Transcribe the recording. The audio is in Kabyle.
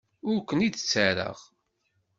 Ur ken-id-ttarraɣ.